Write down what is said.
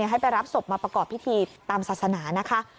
ให้ไปรับศพมาประกอบพิธีตามศาสนานะคะ